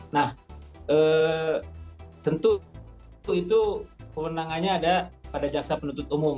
nah tentu itu kewenangannya ada pada jaksa penuntut umum